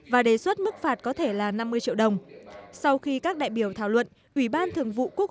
và đề xuất mức phạt có thể là năm mươi triệu đồng sau khi các đại biểu thảo luận ủy ban thường vụ quốc